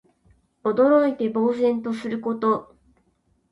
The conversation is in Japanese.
驚いて呆然とすること。